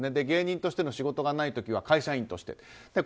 芸人としての仕事がない時は会社員として。